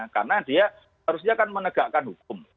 karena dia harusnya kan menegakkan hukum